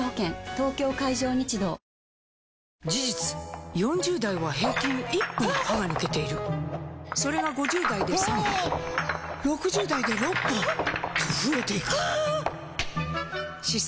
東京海上日動事実４０代は平均１本歯が抜けているそれが５０代で３本６０代で６本と増えていく歯槽